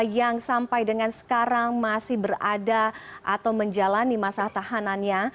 yang sampai dengan sekarang masih berada atau menjalani masa tahanannya